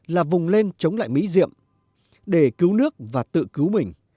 là vùng lên chống lại mỹ diệm để cứu nước và tự cứu mình